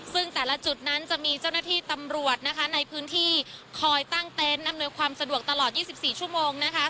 ซึ่งแต่ละจุดนั้นจะมีเจ้าหน้าที่ตำรวจนะคะในพื้นที่คอยตั้งเต็นต์อำนวยความสะดวกตลอด๒๔ชั่วโมงนะคะ